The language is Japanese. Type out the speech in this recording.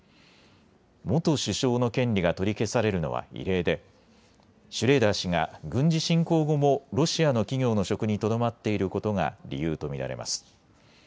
元首相の権利が取り消されるのは異例でシュレーダー氏が軍事侵攻後もロシアの企業の職にとどまっていることが理由と見られます。